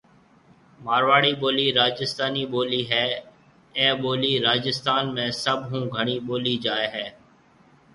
مارواڙي ٻولي رآجستانَي ٻولي هيَ اَي ٻولي رآجستان ۾ سڀ هون گھڻي ٻولي جائي هيَ۔